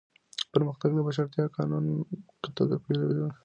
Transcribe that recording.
پرمختګ د بشپړتیا قانون تعقیبوي.